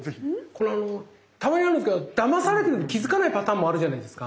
これあのたまにあるんですけどだまされてるのに気付かないパターンもあるじゃないですか。